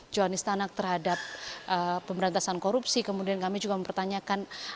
johannes tanak terhadap pemberantasan korupsi kemudian kami juga mempertanyakan